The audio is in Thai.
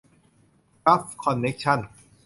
กัลฟ์ คอนเนคชั่น